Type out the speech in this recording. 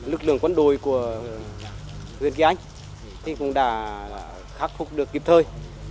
lực lượng quân đội của huyện kỳ anh thì cũng đã khắc phục được kịp thời